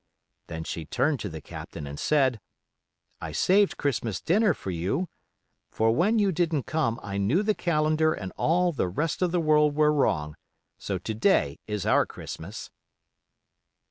Then she turned to the Captain and said, 'I saved Christmas dinner for you; for when you didn't come I knew the calendar and all the rest of the world were wrong; so to day is our Christmas.